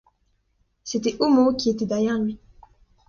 C’était Homo qui était derrière lui.